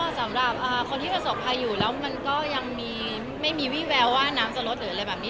สำหรับคนที่ประสบภัยอยู่แล้วมันก็ยังไม่มีวี่แววว่าน้ำจะลดหรืออะไรแบบนี้